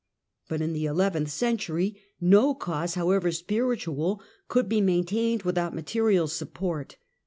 But in the eleventh century, no cause, liowever spiritual, could be maintained without material support.